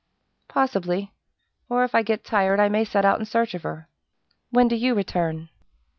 "Possibly; or if I get tired I may set out in search of her. When do you return?"